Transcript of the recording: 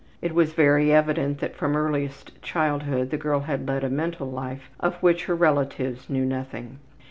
It was very evident that from earliest childhood the girl had led a mental life of which her relatives knew nothing.